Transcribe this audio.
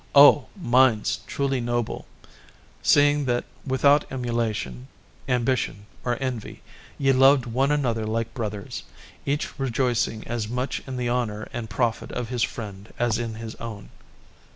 Oh! minds truly noble! seeing that without emulation, ambition, or envy, ye loved one another like brothers, each rejoicing as much in the honour and profit of his friend as in his own!